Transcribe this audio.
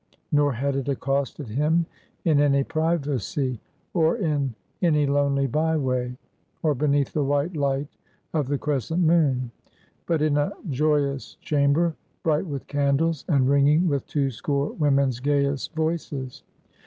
Nor had it accosted him in any privacy; or in any lonely byeway; or beneath the white light of the crescent moon; but in a joyous chamber, bright with candles, and ringing with two score women's gayest voices.